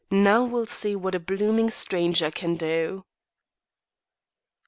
Now we'll see what a blooming stranger can do."